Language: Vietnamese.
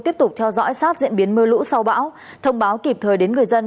tiếp tục theo dõi sát diễn biến mưa lũ sau bão thông báo kịp thời đến người dân